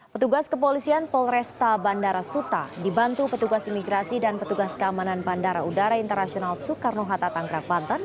petugas kepolisian polresta bandara suta dibantu petugas imigrasi dan petugas keamanan bandara udara internasional soekarno hatta tanggerang banten